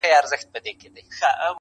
او محتاجه د لاسونو د انسان دي -